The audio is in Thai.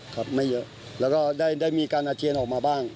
ครับไม่เยอะแล้วก็ได้มีการอาเจียนออกมาบ้าง